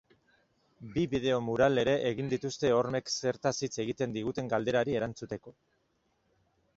Bi bideo mural ere egin dituzte hormek zertaz hitz egiten diguten galderari erantzuteko.